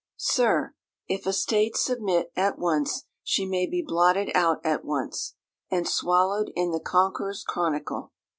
"Sir, if a state submit At once, she may be blotted out at once And swallow'd in the conqueror's chronicle.